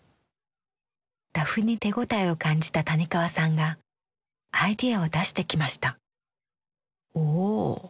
ラフに手応えを感じた谷川さんがアイデアを出してきました。